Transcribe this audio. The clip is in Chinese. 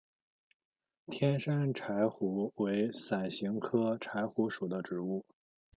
天山柴胡为伞形科柴胡属的植物。